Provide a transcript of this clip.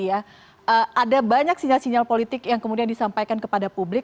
ada banyak sinyal sinyal politik yang kemudian disampaikan kepada publik